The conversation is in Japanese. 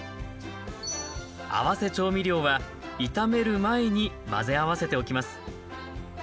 合わせ調味料は炒める前に混ぜ合わせておきます。